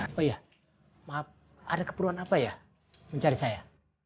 oh iya maaf ada keperluan apa ya mencari saya